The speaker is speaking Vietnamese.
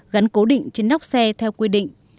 gắn cố định trên nóc xe theo quy định